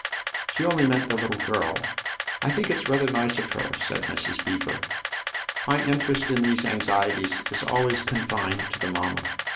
" She only meant the little girl. I think it's rather nice of her," said Mrs. Beever. " My interest in these anxieties is always confined to the mamma.